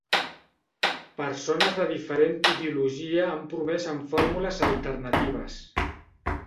Persones de diferent ideologia han promès amb fórmules alternatives.